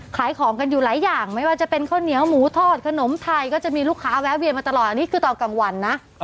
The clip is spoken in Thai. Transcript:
ขายของกันอยู่หลายอย่างไม่ว่าจะเป็นข้าวเหนียวหมูทอดขนมไทยก็จะมีลูกค้าแวะเวียนมาตลอดอันนี้คือตอนกลางวันนะ